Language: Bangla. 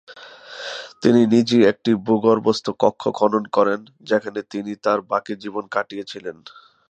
তিনি নিজেই একটি ভূগর্ভস্থ কক্ষ খনন করেন যেখানে তিনি তার বাকি জীবন কাটিয়েছিলেন।